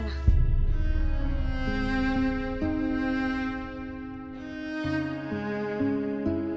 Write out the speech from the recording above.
aku gak punya papa